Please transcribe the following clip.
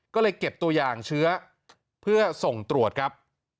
ก็เลยเก็บตัวอย่างเชื้อเพื่อส่งตรวจครับ